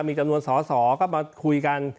มีจำนวนสอสอก็มาคุยกัน